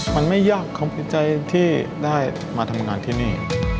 มันไม่ยากความพิจัยที่ได้มาทำงานที่นี่